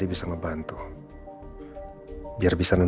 tapi mungkin dia menyesuaikan